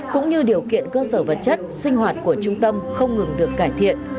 cũng như điều kiện cơ sở vật chất sinh hoạt của trung tâm không ngừng được cải thiện